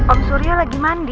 om surya lagi mandi